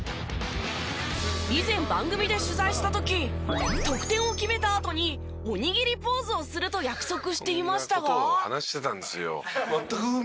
以前番組で取材した時得点を決めたあとに「おにぎりポーズ」をすると約束していましたが。